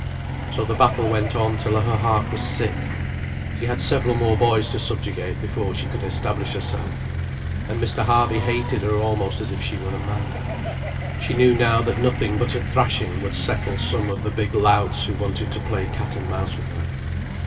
So the battle went on till her heart was sick. She had several more boys to subjugate before she could establish herself. And Mr. Harby hated her almost as if she were a man. She knew now that nothing but a thrashing would settle some of the big louts who wanted to play cat and mouse with her.